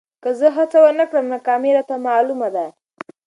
که زه هڅه ونه کړم، ناکامي راته معلومه ده.